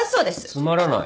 つまらない？